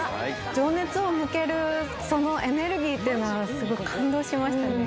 情熱を向けるそのエネルギーっていうのはすごい感動しましたね